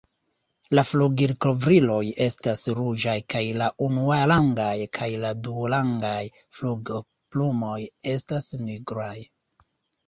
La flugilkovriloj estas ruĝaj, kaj la unuarangaj kaj duarangaj flugoplumoj estas nigraj.